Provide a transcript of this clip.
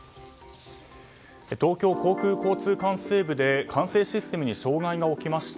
東京航空交通管制部で管制システムに障害が起きました。